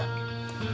jut karena